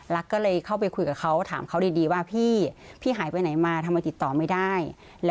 ก็เลยเข้าไปคุยกับเขาถามเขาดีว่าพี่พี่หายไปไหนมาทำไมติดต่อไม่ได้